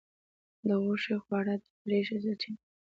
د غوښې خواړه د انرژی ښه سرچینه ده.